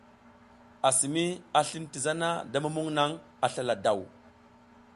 Assimi a slin ti zana da mumuŋ naŋ a slala daw.